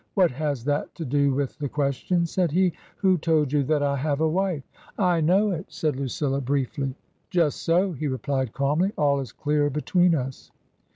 "What has that to do with the question?" said he. " Who told you that I have a wife ?"" I know it," said Lucilla, briefly. " Just so," he replied, calmly ;" all is clear between us."